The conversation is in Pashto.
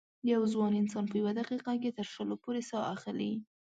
یو ځوان انسان په یوه دقیقه کې تر شلو پورې سا اخلي.